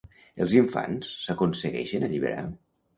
Els infants s'aconsegueixen alliberar?